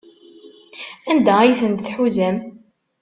Anda ay tent-tḥuzam?